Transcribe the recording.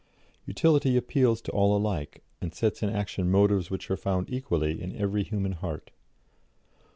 Utility appeals to all alike, and sets in action motives which are found equally in every human heart.